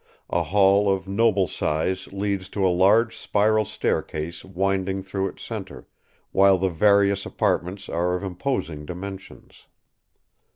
A hall of noble size leads to a large spiral staircase winding through its centre, while the various apartments are of imposing dimensions.